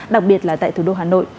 đặc biệt là tại thủ đô hà nội